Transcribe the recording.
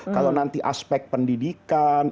kalau nanti aspek pendidikan